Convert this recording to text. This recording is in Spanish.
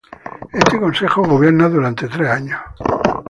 Este Consejo gobierna durante tres años.